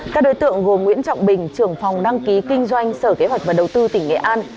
các đối tượng gồm nguyễn trọng bình trưởng phòng đăng ký kinh doanh sở kế hoạch và đầu tư tỉnh nghệ an